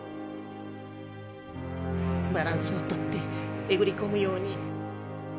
バランスをとってえぐりこむように。